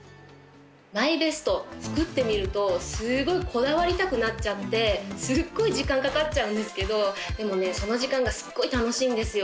ＭＹＢＥＳＴ作ってみるとすごいこだわりたくなっちゃってすっごい時間かかっちゃうんですけどでもねその時間がすっごい楽しいんですよ